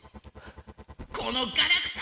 このガラクタ！